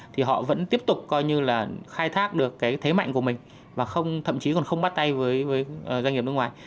thì họ vẫn tiếp tục khai thác được thế mạnh của mình và thậm chí còn không bắt tay với doanh nghiệp nước ngoài